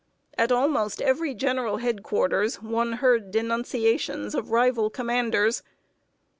At almost every general head quarters, one heard denunciations of rival commanders.